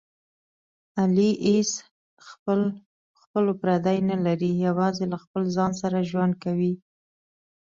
علي هېڅ خپل پردی نه لري، یوازې له خپل ځان سره ژوند کوي.